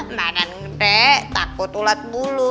makan gede takut ulat bulu